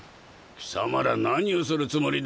貴様ら何をするつもりだ？